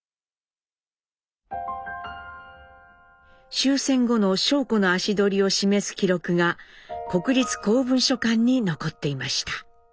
終戦後の尚子の足取りを示す記録が国立公文書館に残っていました。